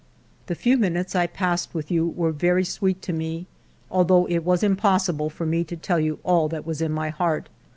"The few minutes I passed with you were very sweet to me, although it was impossible for me to tell you all that was in my heart.